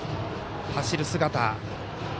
走る姿。